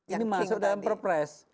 ini masuk dalam perpres